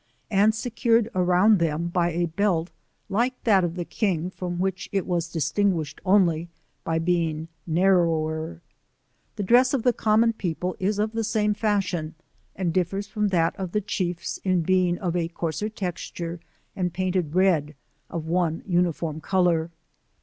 and secured around them by a belt like that of the king from which it was distin guished only by being narrower : the dress of the common people is of the same fashion, and differs from that of the chiefs in being of a coarser tex ture, and painted red, of one uniform colour.